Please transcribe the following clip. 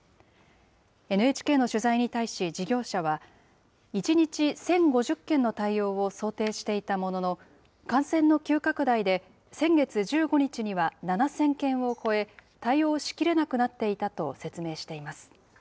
ＮＨＫの取材に対し、事業者は、１日１０５０件の対応を想定していたものの、感染の急拡大で、先月１５日には、７０００件を超え、対応しきれなくなっていたと説明しています。